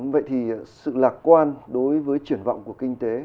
vậy thì sự lạc quan đối với triển vọng của kinh tế